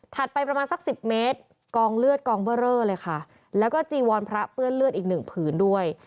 ไปประมาณสักสิบเมตรกองเลือดกองเบอร์เรอเลยค่ะแล้วก็จีวรพระเปื้อนเลือดอีกหนึ่งผืนด้วย